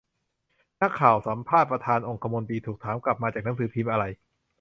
นักข่าวสัมภาษณ์ประธานองคมนตรี ถูกถามกลับ มาจากหนังสือพิมพ์อะไร